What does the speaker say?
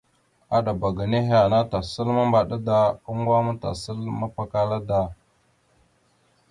Aɗaba ga nehe ana, tasal mambaɗa da, oŋgo aŋa vaɗ ma tasal mapakala aŋa da.